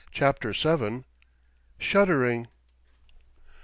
CHAPTER VII. SHUDDERING.